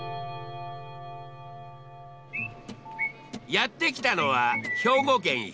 やって来たのは兵庫県姫路市。